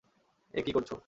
এ কী করছো?